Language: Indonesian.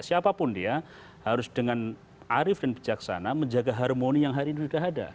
siapapun dia harus dengan arif dan bijaksana menjaga harmoni yang hari ini sudah ada